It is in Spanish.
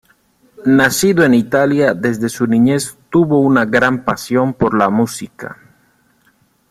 Nacido en Italia, desde su niñez tuvo una gran pasión por la música.